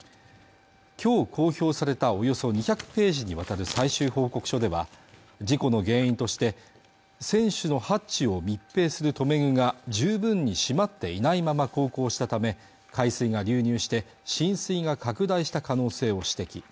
今日公表されたおよそ２００ページにわたる最終報告書では事故の原因として船首のハッチを密閉する留め具が十分に閉まっていないまま航行したため海水が流入して浸水が拡大した可能性を指摘